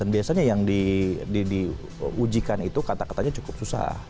dan biasanya yang diujikan itu kata katanya cukup susah